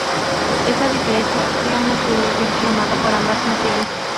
Esta diferencia crea una cuña que es reclamada por ambas naciones.